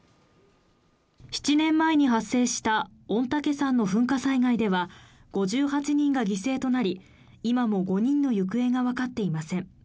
７年前に発生した御嶽山の噴火災害では、５８人が犠牲となり、今も５人の行方が分かっていません。